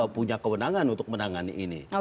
punya kewenangan untuk menangani ini